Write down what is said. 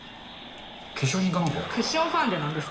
化粧品かなんか？